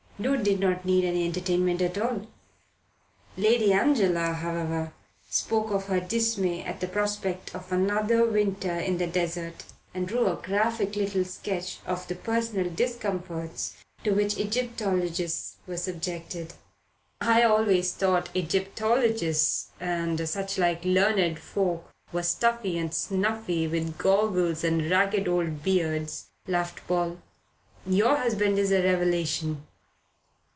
Doon did not need any entertainment at all. Lady Angela, however, spoke of her dismay at the prospect of another winter in the desert; and drew a graphic little sketch of the personal discomforts to which Egyptologists were subjected. "I always thought Egyptologists and suchlike learned folk were stuffy and snuffy with goggles and ragged old beards," laughed Paul. "Your husband is a revelation."